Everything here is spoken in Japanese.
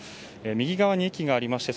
右側に駅がありまして